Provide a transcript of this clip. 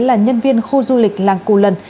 là nhân viên khu du lịch làng cù lần